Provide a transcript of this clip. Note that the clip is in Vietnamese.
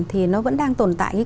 thì nó vẫn đang tồn tại